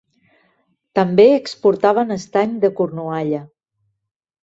També exportaven estany de Cornualla.